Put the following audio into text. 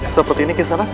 seperti ini ke sana